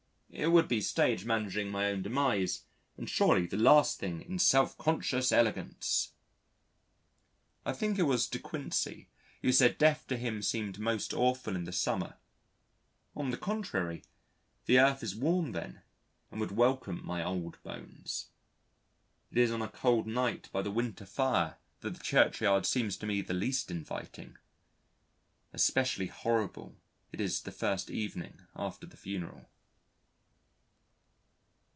_ It would be stage managing my own demise and surely the last thing in self conscious elegance! I think it was De Quincey who said Death to him seemed most awful in the summer. On the contrary the earth is warm then, and would welcome my old bones. It is on a cold night by the winter fire that the churchyard seems to me the least inviting: especially horrible it is the first evening after the funeral.